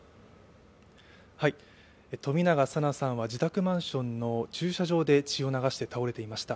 冨永紗菜さんは自宅マンションの駐車場で血を流して倒れていました。